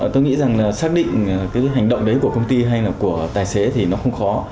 tôi nghĩ rằng là xác định cái hành động đấy của công ty hay là của tài xế thì nó không khó